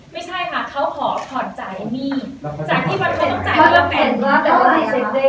ไม่ใช่ค่ะเขาขอขอนจ่ายมีนาตราย